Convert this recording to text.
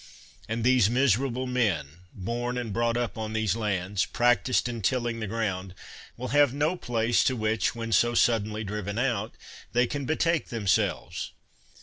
And these miserable men, bom and brought up on those lands, practised in tilling the ground, will have no place to which, when so suddenly driven out, they can betake themselves.